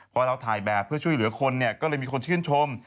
พอเราถ่ายแบบเพื่อช่วยเหลือคนเนี่ยก็เลยมีคนชื่นชม